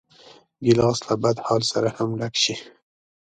ګیلاس له بدحال سره هم ډک شي.